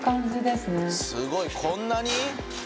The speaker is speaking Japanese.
すごいこんなに？